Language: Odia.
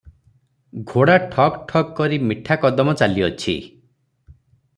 ଘୋଡ଼ା ଠକ୍ ଠକ୍ କରି ମିଠା କଦମ ଚାଲିଅଛି ।